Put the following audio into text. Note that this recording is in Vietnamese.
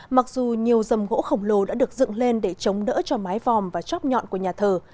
mặc dù nhiều dầm gỗ khổng lồ đã được dựng lên để chống đỡ cho mái vòm và chóp nhọn của nhà thờ